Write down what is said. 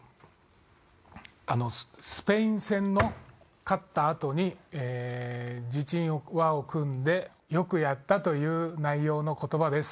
あのスペイン戦の勝った後に輪を組んで「よくやった」という内容の言葉です。